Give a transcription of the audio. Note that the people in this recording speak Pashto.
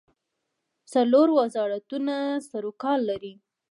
څلور وزارتونه سروکار لري.